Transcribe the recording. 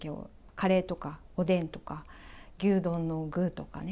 カレーとかおでんとか、牛丼の具とかね。